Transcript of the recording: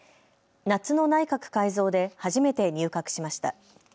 夏の内閣改造で初めて入閣しました。